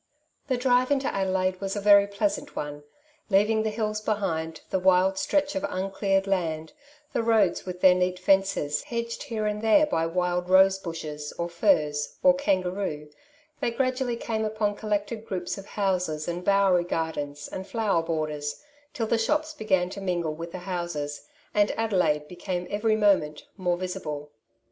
The drive into Adelaide was a very pleasant one. Leavingthe hills behind, thewild stretch of uncleared land, the roads with their neat fences, hedged here and there by wild rose bushes, or furze, or kangaroo, they gradually came upon collected groups of houses and bowery gardens and fiower borders, till the shops began to mingle with the houses, and Adelaide became every moment more visible.